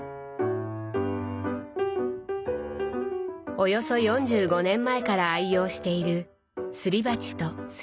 およそ４５年前から愛用しているすり鉢とすりこ木。